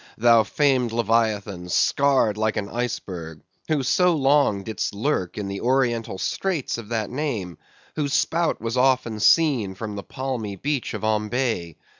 thou famed leviathan, scarred like an iceberg, who so long did'st lurk in the Oriental straits of that name, whose spout was oft seen from the palmy beach of Ombay?